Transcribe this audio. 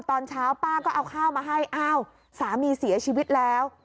ตอนเช้าป้าก็เอาข้าวมาให้อ้าวสามีเสียชีวิตแล้ว